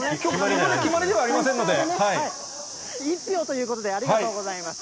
まだ決まりではありませんの１票ということで、ありがとうございます。